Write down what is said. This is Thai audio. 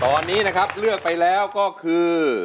ตอนนี้นะครับเลือกไปแล้วก็คือ